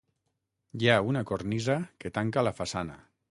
Hi ha una cornisa que tanca la façana.